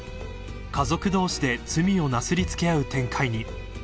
［家族同士で罪をなすり付け合う展開に］